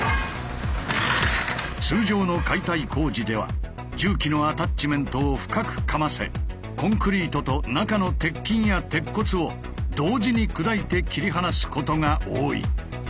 通常の解体工事では重機のアタッチメントを深くかませコンクリートと中の鉄筋や鉄骨を同時に砕いて切り離すことが多い。